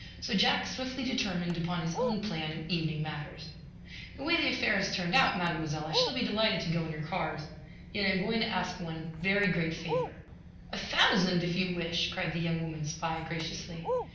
So Jack swiftly determined upon his own plan of evening matters. "The way the affair has turned out, Mademoiselle, I shall be delighted to go in your cars. Yet I am going to ask one every great favor." "A thousand, if you wish!" cried the young woman spy, graciously.